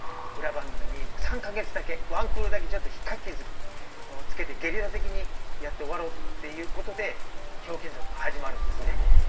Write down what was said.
裏番組に３か月だけワンクールだけちょっとひっかき傷つけてゲリラ的にやって終わろうっていうことで「ひょうきん族」始まるんですね。